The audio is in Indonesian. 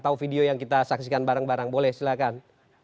tahu video yang kita saksikan bareng bareng boleh silahkan